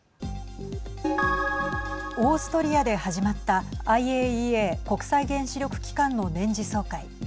オーストリアで始まったＩＡＥＡ＝国際原子力機関の年次総会。